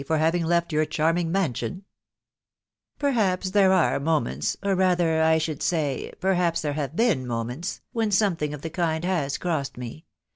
for having left your charming mansion ?"" Perhaps there are moments .... or rather, I should say, perhaps there have been moments, when something of thft kind has crossed me.